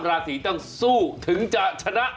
ราศีต้องสู้ถึงจะชนะ